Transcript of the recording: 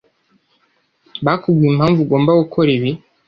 Bakubwiye impamvu ugomba gukora ibi?